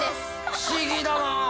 不思議だな！